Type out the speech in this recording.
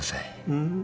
うん？